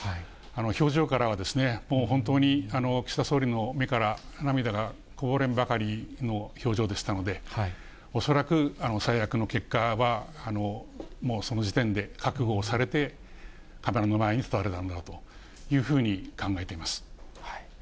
表情からは、もう本当に、岸田総理の目から涙がこぼれんばかりの表情でしたので、恐らく最悪の結果はもうその時点で覚悟をされて、カメラの前に立たれたんだろうというふうに考えています。